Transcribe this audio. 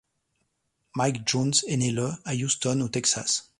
Mike Jones est né le à Houston, au Texas.